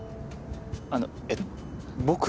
あのえっ僕。